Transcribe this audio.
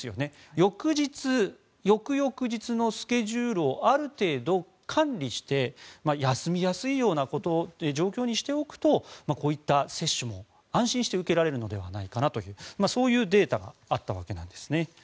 翌日、翌々日のスケジュールをある程度、管理して休みやすいような状況にしておくとこういった接種も、安心して受けられるのではないかというそういうデータがあったわけです。